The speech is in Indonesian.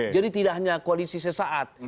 jadi tidak hanya koalisi sesaat